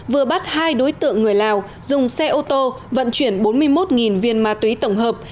vừa bắt hai đối tượng người lào dùng xe ô tô vận chuyển bốn mươi một viên ma túy tổng hợp